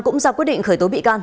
cũng ra quyết định khởi tố bị can